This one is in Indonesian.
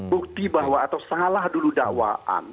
bukti bahwa atau salah dulu dakwaan